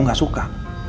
dan aku gak suka